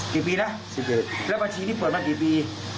กี่ปีนะ๑๑แล้วบัญชีนี้เปิดมากี่ปี